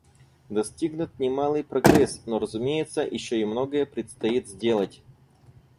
Достигнут немалый прогресс, но, разумеется, еще и многое предстоит сделать.